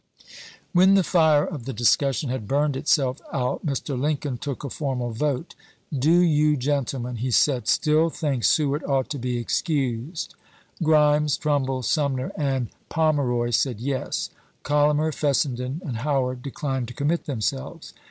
When the fire of the discussion had burned itself out, Mr. Lincoln took a formal vote. "Do you, gentlemen," he said, " still think Seward ought to be excused ?" Grimes, Trumbull, Sumner, and Pomeroy said "Yes." Collamer, Fessenden, and Howard declined to commit themselves.